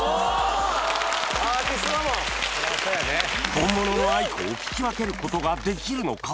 本物のａｉｋｏを聴き分けることができるのか？